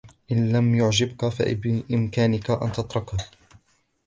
إن لم يعجبك فبإمكانك أن تتركه.